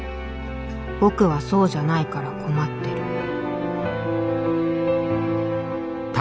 僕はそうじゃないから困ってる」